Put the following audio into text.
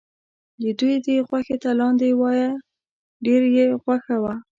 دوی دې غوښې ته لاندی وایه ډېره یې خوښه وه.